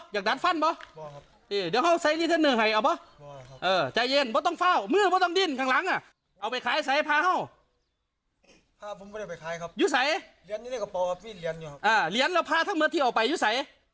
อยู่ใสอ่าเหรียญเราพาทั้งเมื่อที่ออกไปอยู่ใส